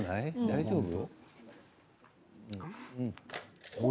大丈夫？